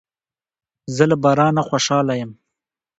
زه له بارانه خوشاله یم.